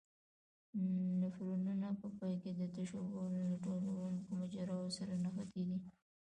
نفرونونه په پای کې د تشو بولو له ټولوونکو مجراوو سره نښتي دي.